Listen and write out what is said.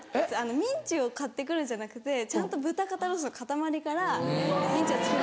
ミンチを買って来るんじゃなくてちゃんと豚肩ロースの塊からミンチを作る。